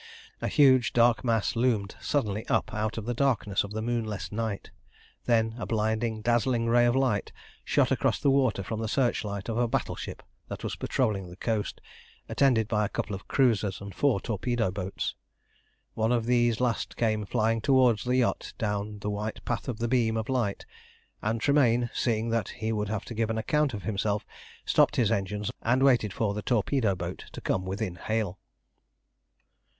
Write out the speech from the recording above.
A huge, dark mass loomed suddenly up out of the darkness of the moonless night, then a blinding, dazzling ray of light shot across the water from the searchlight of a battleship that was patrolling the coast, attended by a couple of cruisers and four torpedo boats. One of these last came flying towards the yacht down the white path of the beam of light, and Tremayne, seeing that he would have to give an account of himself, stopped his engines and waited for the torpedo boat to come within hail.